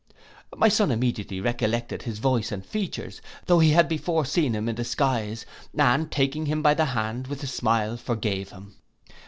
My son immediately recollected his voice and features, though he had before seen him in disguise, and taking him by the hand, with a smile forgave him.